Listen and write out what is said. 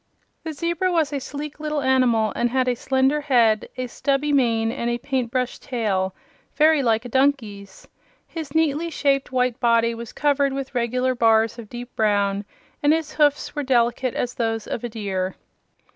The zebra was a sleek little animal and had a slender head, a stubby mane and a paint brush tail very like a donkey's. His neatly shaped white body was covered with regular bars of dark brown, and his hoofs were delicate as those of a deer.